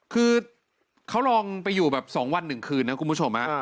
คือเขาลองไปอยู่แบบ๒วัน๑คืนนะคุณผู้ชม